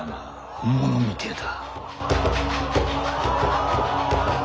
本物みてえだ。